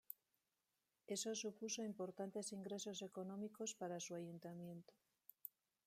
Eso supuso importantes ingresos económicos para su Ayuntamiento.